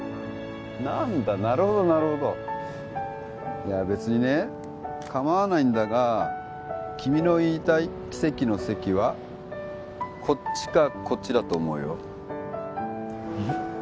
何だなるほどなるほどいやあ別にねかまわないんだが君の言いたい奇跡の「せき」はこっちかこっちだと思うようんっ？